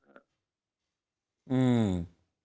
คราวนี้เจ้าหน้าที่ป่าไม้รับรองแนวเนี่ยจะต้องเป็นหนังสือจากอธิบดี